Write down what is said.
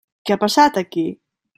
Què ha passat aquí?